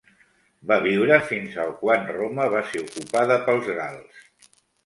Va viure fins al quan Roma va ser ocupada pels gals.